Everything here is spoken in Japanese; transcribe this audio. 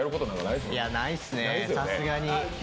いや、ないっすね、さすがに。